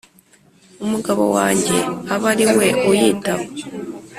Umugabo wanjye aba ari we uyitaba